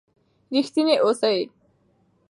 ریښتینی اوسئ.